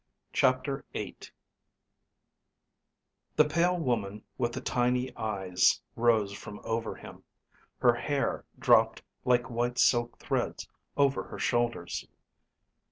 CHAPTER VIII The pale woman with the tiny eyes rose from over him. Her hair dropped like white silk threads over her shoulders.